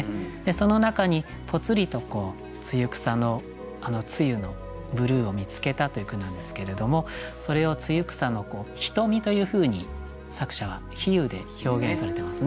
その中にぽつりと露草のあの露のブルーを見つけたという句なんですけれどもそれを露草の「瞳」というふうに作者は比喩で表現されてますね。